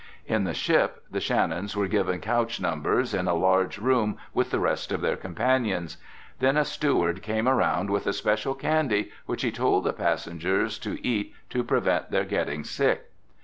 In the ship, the Shannons were given couch numbers in a large room with the rest of their companions. Then a steward came around with a special candy which he told the passengers to eat to prevent their getting sick.